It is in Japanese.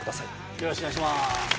よろしくお願いします。